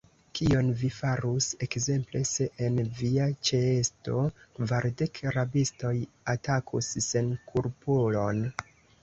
Kion vi farus, ekzemple, se en via ĉeesto kvardek rabistoj atakus senkulpulon?